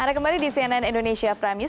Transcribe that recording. anda kembali di cnn indonesia prime news